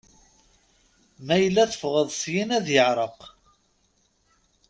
Ma yella teffɣeḍ syin ad iɛreq.